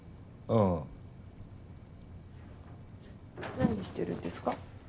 何してるんですか？